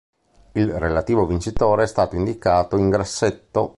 Il relativo vincitore è stato indicato in grassetto.